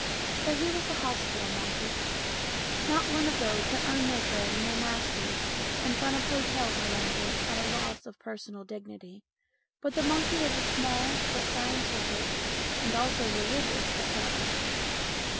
But he was the hospital monkey ; not one of those that earn their bread and their master's in front of hotel verandahs at a loss of personal dignity, but the monkey of a small but scientific and also religious establishment.